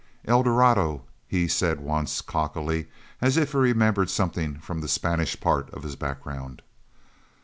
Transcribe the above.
"Eldorado," he said once, cockily, as if he remembered something from the Spanish part of his background.